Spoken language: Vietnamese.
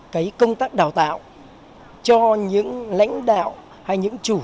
cái công tác đào tạo cho những lãnh đạo hay những chủ